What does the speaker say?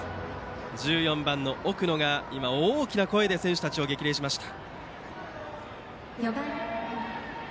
１４番、奥野が大きな声で選手たちを激励しました。